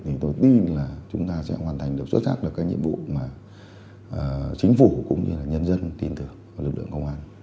thì tôi tin là chúng ta sẽ hoàn thành được xuất sắc được các nhiệm vụ mà chính phủ cũng như là nhân dân tin tưởng vào lực lượng công an